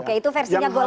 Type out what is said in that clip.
oke itu versinya golkar